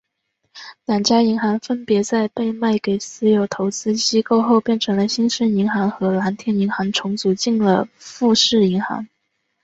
两家银行分别在被卖给私有投资机构后变成了新生银行和蓝天银行重组进了富士银行。